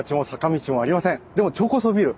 でも超高層ビル。